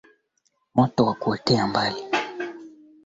si sauti ya mtu mwengine ni wahito maggie muziki